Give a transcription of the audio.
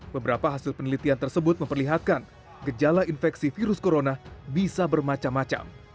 beberapa hasil penelitian tersebut memperlihatkan gejala infeksi virus corona bisa bermacam macam